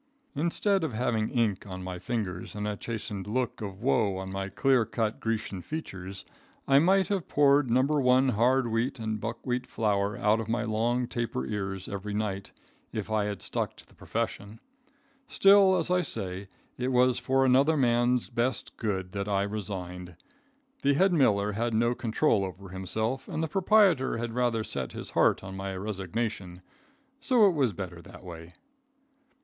Instead of having ink on my fingers and a chastened look of woe on my clear cut Grecian features, I might have poured No. 1 hard wheat and buckwheat flour out of my long taper ears every night, if I had stuck to the profession. Still, as I say, it was for another man's best good that I resigned. The head miller had no control over himself and the proprietor had rather set his heart on my resignation, so it was better that way.